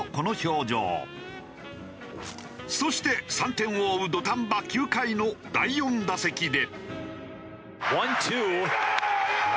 そして３点を追う土壇場９回の第４打席で。